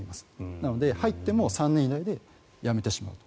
なので、入っても３年以内で辞めてしまうと。